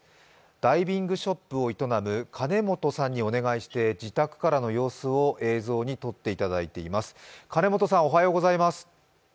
ダイビングショップを営む兼本さんにお願いして自宅からの様子を映像に撮っていただいています。